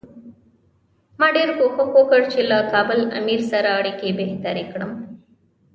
ما ډېر کوښښ وکړ چې له کابل امیر سره اړیکې بهترې کړم.